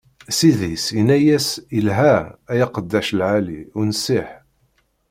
Ssid-is inna-as: Ilha, ay aqeddac lɛali, unṣiḥ!